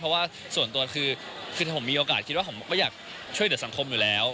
เพราะว่าส่วนตัวคือถ้าผมมีโอกาสคิดว่าผมก็อยากช่วยเหลือสังคมอยู่แล้ว